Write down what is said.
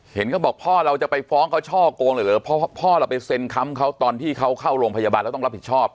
เห็นเขาบอกพ่อเราจะไปฟ้องเขาช่อโกงเลยเหรอพ่อเราไปเซ็นค้ำเขาตอนที่เขาเข้าโรงพยาบาลแล้วต้องรับผิดชอบ